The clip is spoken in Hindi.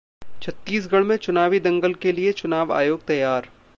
छत्तीसगढ़ में चुनावी दंगल के लिए चुनाव आयोग तैयार